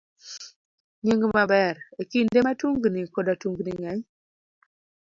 B. Nying maber. E kinde ma tungni koda tungni ng'eny,